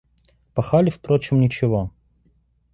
Пахали, впрочем, ничего.